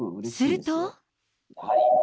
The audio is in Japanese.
すると。